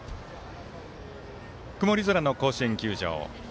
曇り空の甲子園球場。